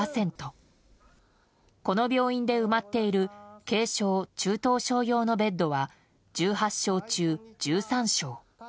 この病院で埋まっている軽症・中等症用のベッドは１８床中１３床。